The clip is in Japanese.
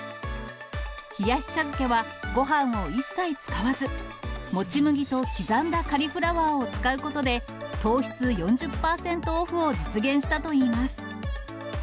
冷やし茶漬けは、ごはんを一切使わず、もち麦と刻んたカリフラワーを使うことで、糖質４０％オフを実現したといいます。